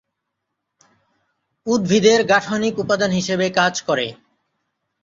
উদ্ভিদের গাঠনিক উপাদান হিসেবে কাজ করে।